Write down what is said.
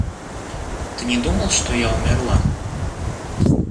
Ты не думал, что я умерла?